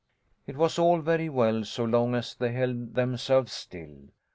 It was all very well so long as they held themselves still.